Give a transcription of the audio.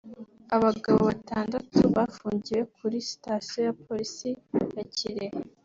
Abagabo batandatu bafungiwe kuri Sitasiyo ya Polisi ya Kirehe